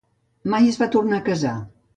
Mai es va tornar a casar.